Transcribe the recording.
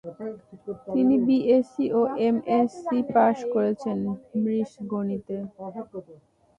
তিনি বিএসসি ও এমএসসি পাশ করেছেন মিশ্র গণিতে।